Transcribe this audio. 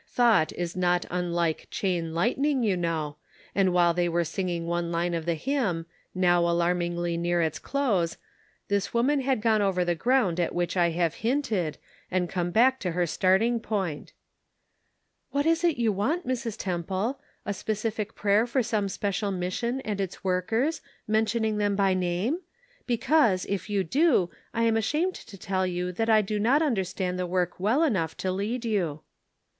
Thought is not unlike chain lightning, you know, and while they were singing one line of the hymn, now alarmingly near its close, this woman had gone over the ground at which I have hinted, and ^come back to her starting point. Perfect Love Casteth out Fear. 191 "What is it you want, Mrs. Temple? A specific prayer for some special mission and its workers, mentioning them by name ? Because, if you do, I am ashamed to tell you that I do not understand the work well enough to lead you."